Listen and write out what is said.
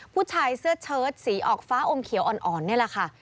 ผู้ชายเสื้อเชิดสีออกฟ้าอมเขียวอ่อนนี่แหละค่ะ